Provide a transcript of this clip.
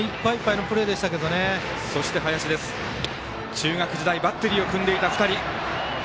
中学時代バッテリーを組んでいた２人。